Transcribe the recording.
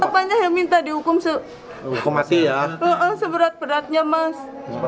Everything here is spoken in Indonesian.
apanya yang minta dihukum seberat beratnya mas